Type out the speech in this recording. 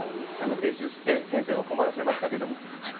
提出して先生を困らせましたけども。